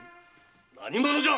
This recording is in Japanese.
何者じゃ？